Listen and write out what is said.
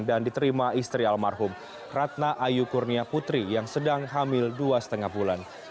dan diterima istri almarhum ratna ayu kurnia putri yang sedang hamil dua lima bulan